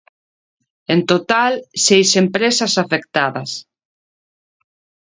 En total, seis empresas afectadas.